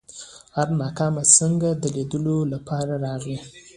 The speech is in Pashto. هرنام سینګه د لیدلو لپاره راغی.